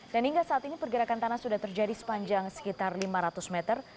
hingga saat ini pergerakan tanah sudah terjadi sepanjang sekitar lima ratus meter